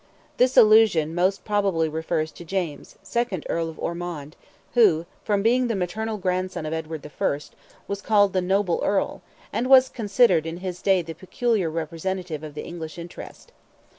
This allusion most probably refers to James, second Earl of Ormond, who, from being the maternal grandson of Edward I., was called the noble Earl, and was considered in his day the peculiar representative of the English interest.